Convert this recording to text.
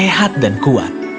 sehat dan kuat